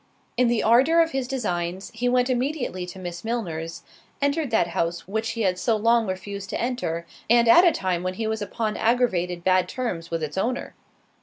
In the ardour of his designs, he went immediately to Miss Milner's—entered that house which he had so long refused to enter, and at a time when he was upon aggravated bad terms with its owner.